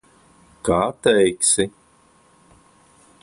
Kā teiksi.